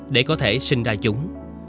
để có thể sinh ra chúng